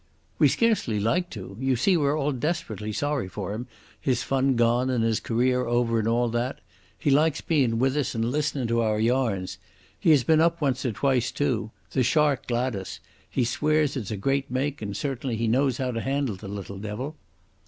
"We scarcely like to. You see, we're all desperately sorry for him, his fun gone and his career over and all that. He likes bein' with us and listenin' to our yarns. He has been up once or twice too. The Shark Gladas. He swears it's a great make, and certainly he knows how to handle the little devil."